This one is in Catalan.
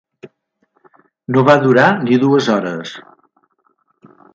No va durar ni dues hores.